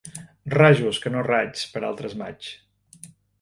Rajos, que no raigs, pels altres maigs.